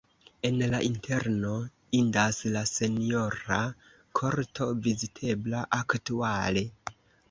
En la interno indas la senjora korto, vizitebla aktuale.